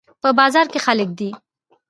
په بازار کې خلک دي